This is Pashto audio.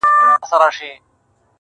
مګر سوځي یو د بل کلي کورونه؛